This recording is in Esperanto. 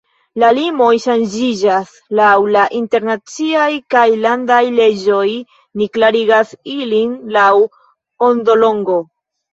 La limoj ŝanĝiĝas laŭ la internaciaj kaj landaj leĝoj, ni klarigas ilin laŭ ondolongo.